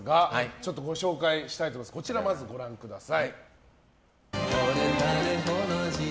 こちらまずご覧ください。